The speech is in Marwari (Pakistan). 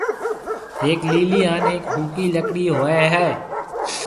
ھيَََڪ ليِلِي ھان ھيَََڪ ھوڪِي لڪڙي ھوئيَ ھيََََ